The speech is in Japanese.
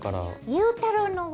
ゆうたろうのＹ。